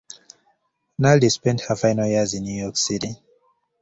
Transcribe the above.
Naldi spent her final years in New York City.